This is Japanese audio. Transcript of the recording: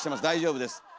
大丈夫です。